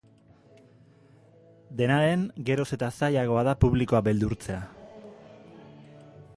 Dena den, geroz eta zailagoa da publikoa beldurtzea.